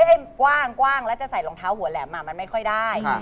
ไอ้กว้างแล้วจะใส่รองเท้าหัวแหลมมันไม่ค่อยได้